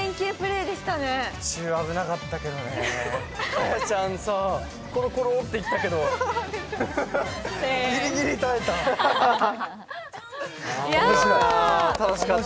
果耶ちゃん、コロコロっていったけど、ギリギリ耐えた。